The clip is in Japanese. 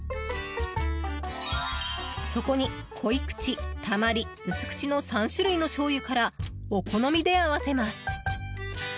そこに濃口・たまり・薄口の３種類のしょうゆからお好みで合わせます。